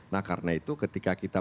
nah karena itu ketika kita